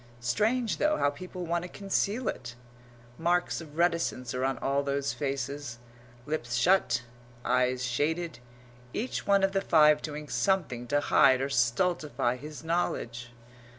Strange, though, how people want to conceal it! Marks of reticence are on all those faces: lips shut, eyes shaded, each one of the five doing something to hide or stultify his knowledge.